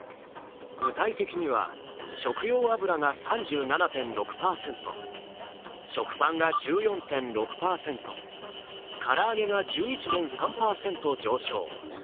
具体的には、食用油が３７．６％、食パンが１４．６％、唐揚げが１１．３％上昇。